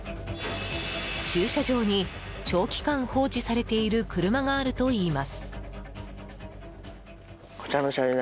駐車場に長期間放置されている車があるといいます。